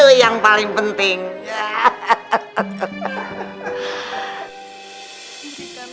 mereka akan memperburuk hubungan sama bapak ami